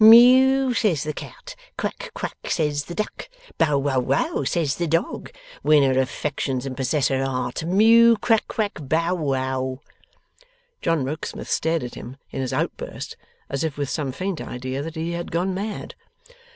Mew says the cat, Quack quack says the duck, Bow wow wow says the dog! Win her affections and possess her heart! Mew, Quack quack, Bow wow!' John Rokesmith stared at him in his outburst, as if with some faint idea that he had gone mad.